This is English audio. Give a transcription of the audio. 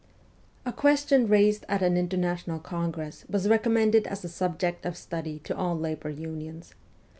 A question raised at an international congress was recommended as a subject of study to all labour unions.